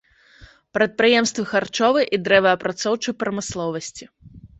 Прадпрыемствы харчовай і дрэваапрацоўчай прамысловасці.